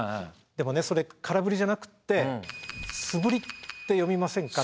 でもねそれ空振りじゃなくって素振りって呼びませんか。